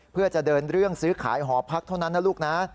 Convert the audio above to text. เพื่อจะเดินเรื่องซื้อขายหอพักเท่านั้นนะลูกนะ